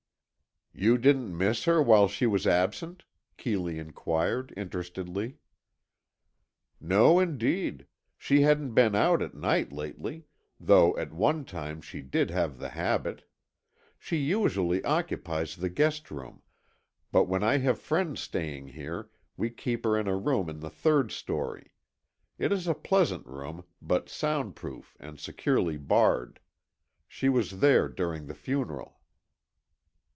"You didn't miss her while she was absent?" Keeley inquired, interestedly. "No, indeed. She hadn't been out at night lately, though at one time she did have the habit. She usually occupies the guest room, but when I have friends staying here, we keep her in a room in the third story. It is a pleasant room, but soundproof and securely barred. She was there during the funeral."